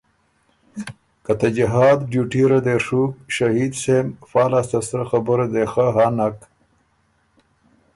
که ته جهاد ډیوټي ره دې ڒُوک ݭهید سېم فا لاسته سرۀ خبُره دې خه هَۀ نک،